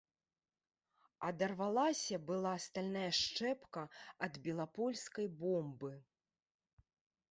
Адарвалася была стальная шчэпка ад белапольскай бомбы.